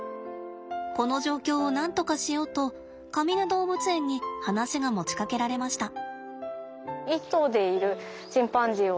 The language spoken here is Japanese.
この状況をなんとかしようとかみね動物園に話が持ちかけられました。